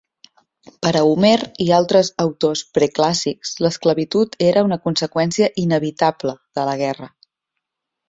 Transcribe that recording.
Per a Homer i altres autors preclàssics, l'esclavitud era una conseqüència inevitable de la guerra.